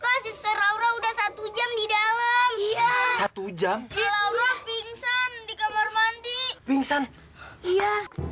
kak sister aura udah satu jam di dalam satu jam pingsan di kamar mandi pingsan iya